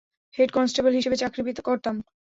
Head constable হিসাবে চাকরি করতাম।